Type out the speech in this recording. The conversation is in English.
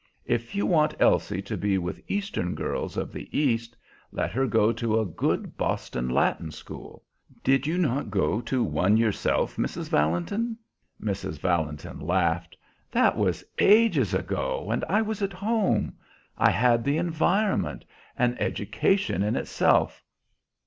If you want Elsie to be with Eastern girls of the East, let her go to a good Boston Latin school. Did you not go to one yourself, Mrs. Valentin?" Mrs. Valentin laughed. "That was ages ago, and I was at home. I had the environment an education in itself.